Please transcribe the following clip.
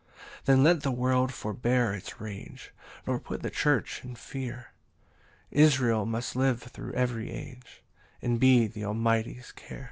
8 Then let the world forbear its rage, Nor put the church in fear: Israel must live thro' every age, And be th' Almighty's care.